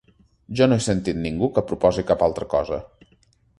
Jo no he sentit ningú que proposi cap altra cosa.